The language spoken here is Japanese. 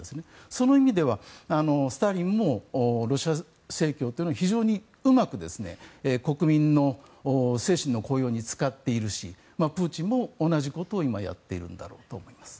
その意味ではスターリンもロシア正教を非常にうまく国民の精神の高揚に使っているしプーチンも同じことを今やっているんだろうと思います。